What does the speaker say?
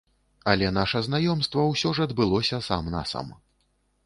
Але наша знаёмства ўсё ж адбылося сам на сам.